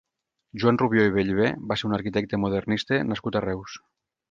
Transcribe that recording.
Joan Rubió i Bellver va ser un arquitecte modernista nascut a Reus.